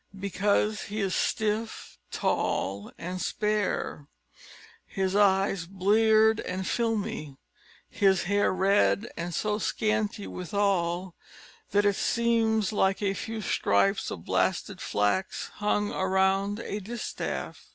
"Because he is stiff, tall, and spare; his eyes bleared and filmy; his hair red, and so scanty withal, that it seems like a few stripes of blasted flax hung around a distaff."